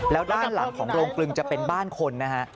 แล้วด้านหลังของโรงกลึงจะเป็นบ้านคนนะฮะ